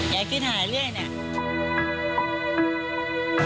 ยายคิดหาเรื่อยเนี่ย